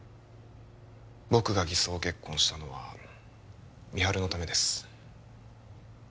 僕が偽装結婚したのは美晴のためです